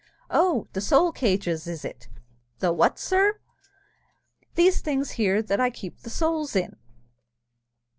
"Oh! the Soul Cages, is it?" "The what? sir!" "These things here that I keep the souls in."